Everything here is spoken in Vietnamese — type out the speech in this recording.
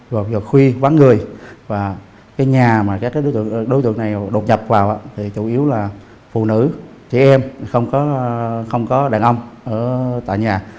gọi là khuy bán người và cái nhà mà đối tượng này đột nhập vào thì chủ yếu là phụ nữ chị em không có đàn ông ở tại nhà